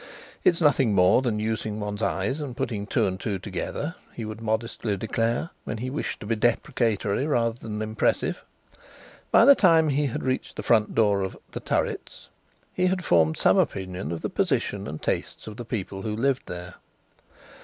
"It's nothing more than using one's eyes and putting two and two together," he would modestly declare, when he wished to be deprecatory rather than impressive. By the time he had reached the front door of "The Turrets" he had formed some opinion of the position and tastes of the people who lived there.